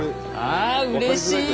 ああうれしい！